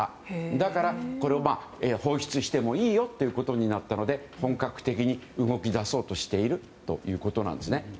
だから、これを放出してもいいよということになったので本格的に動き出そうとしているということなんですね。